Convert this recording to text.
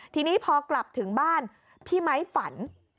ทีนี้พอกลับถึงบ้านพี่ไม้ฝัน